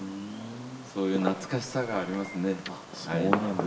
そういう懐かしさがありますね。